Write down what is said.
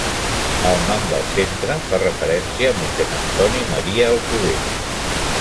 El nom del centre fa referència a Mossèn Antoni Maria Alcover.